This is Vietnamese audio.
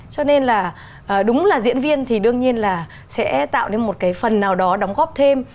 cho nên là đúng là diễn viên thì đương nhiên là sẽ tạo nên một cái phần nào đó đóng góp thêm